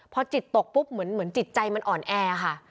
พอจิตตกปุ๊บเหมือนจิตใจมันอ่อนแอค่ะ